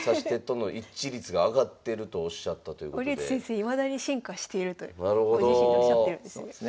いまだに進化しているとご自身でおっしゃってるんですよね。